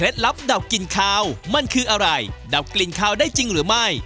ดับกลิ่นขาวได้จริงหรือไม่